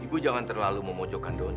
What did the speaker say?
ibu jangan terlalu memojokkan daun